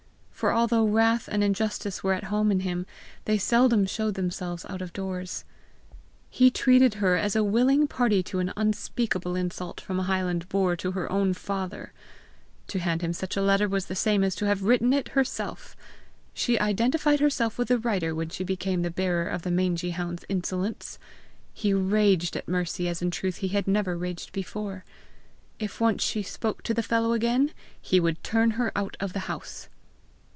for although wrath and injustice were at home in him, they seldom showed themselves out of doors. He treated her as a willing party to an unspeakable insult from a highland boor to her own father. To hand him such a letter was the same as to have written it herself! She identified herself with the writer when she became the bearer of the mangy hound's insolence! He raged at Mercy as in truth he had never raged before. If once she spoke to the fellow again, he would turn her out of the house!